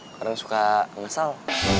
karena suka ngesel